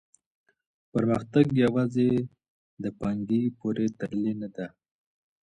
پرمختګ یوازې د پانګي پوري تړلی نه دی.